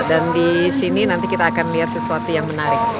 dan disini nanti kita akan lihat sesuatu yang menarik